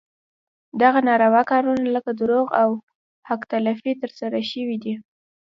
دغه ناروا کارونه لکه دروغ او حق تلفي ترسره شوي دي.